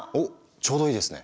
ちょうどいいですね。